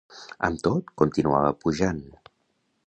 Amb tot, continuava pujant.